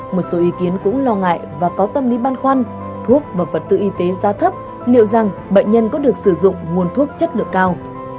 một số ý kiến cũng lo ngại và có tâm lý băn khoăn thuốc và vật tư y tế giá thấp liệu rằng bệnh nhân có được sử dụng nguồn thuốc chất lượng cao